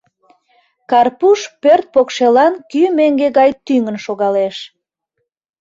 Карпуш пӧрт покшелан кӱ меҥге гай тӱҥын шогалеш.